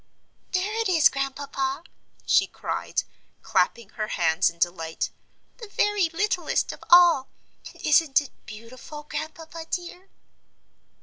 "There it is, Grandpapa," she cried, clapping her hands in delight, "the very littlest of all, and isn't it beautiful, Grandpapa, dear?"